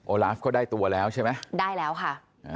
ลาฟก็ได้ตัวแล้วใช่ไหมได้แล้วค่ะ